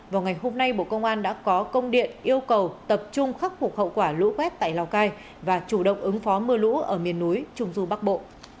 vào ngày hôm nay bộ công an đã có công điện yêu cầu tập trung khắc phục hậu quả lũ quét tại lào cai và chủ động ứng phó mưa lũ ở miền núi trung du bắc bộ